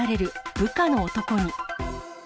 部下の男に。